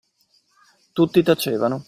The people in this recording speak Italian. Tutti tacevano.